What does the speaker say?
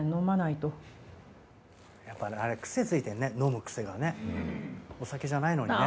やっぱねあれクセついてるね飲むクセがねお酒じゃないのにね。